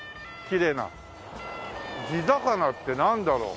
地魚ってなんだろう？